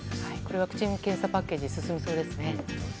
ワクチン・検査パッケージ進みそうですね。